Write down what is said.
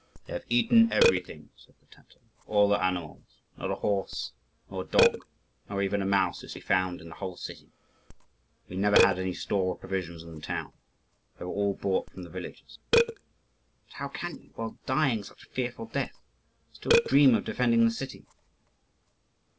"They have eaten everything," said the Tatar, "all the animals. Not a horse, nor a dog, nor even a mouse is to be found in the whole city. We never had any store of provisions in the town: they were all brought from the villages." "But how can you, while dying such a fearful death, still dream of defending the city?"